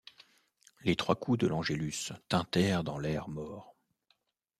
Les trois coups de l’angelus tintèrent dans l’air mort.